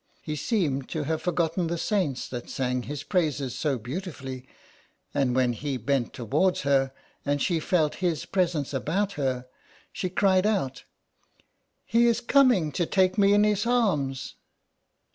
He seemed to have forgotten the saints that sang His praises so beautifully, and when He bent towards her and she felt His presence about her, she cried out '' He is coming to take me in His arms